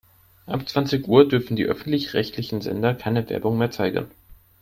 Ab zwanzig Uhr dürfen die öffentlich-rechtlichen Sender keine Werbung mehr zeigen.